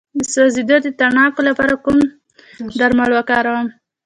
د سوځیدو د تڼاکو لپاره کوم ضماد وکاروم؟